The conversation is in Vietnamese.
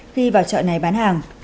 khi vào chợ này bán hàng